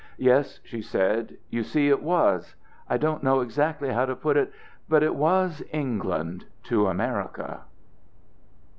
"Yes," she said, "you see it was I don't know exactly how to put it but it was England to America."